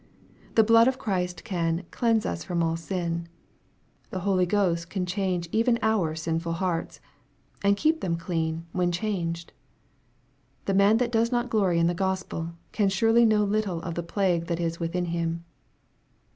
The blood of Christ can "cleanse us from all sin." The Holy Ghost can change even our sinful hearts, and keep them clean, when changed. The man that does not glory in the Gospel, can surely know little of the plague that is within him.